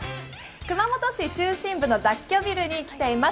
熊本市中心部の雑居ビルに来ています。